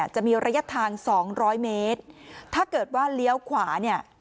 จะมีระยะทาง๒๐๐เมตรถ้าเกิดว่าเลี้ยวขวาเนี่ย